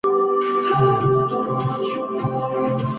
Mientras tanto, impulsó su carrera como teórico del Derecho.